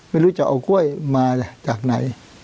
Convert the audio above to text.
ไม่รู้จะเอากล้วยมาจากไหน